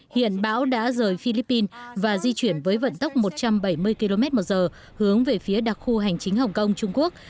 hiện bão đã rời philippines và di chuyển với vận tốc một trăm bảy mươi km một giờ hướng về phía đặc khu hành chính hồng kông trung quốc